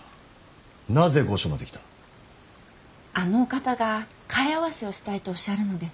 あのお方が貝合わせをしたいとおっしゃるので。